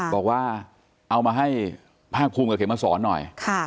บอกว่าเอามาให้ภาคภูมิกับเข็มมาสอนหน่อย